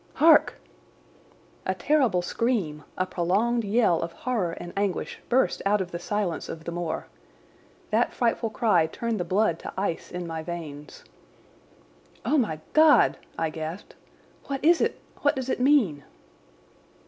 Hark!" A terrible scream—a prolonged yell of horror and anguish—burst out of the silence of the moor. That frightful cry turned the blood to ice in my veins. "Oh, my God!" I gasped. "What is it? What does it mean?"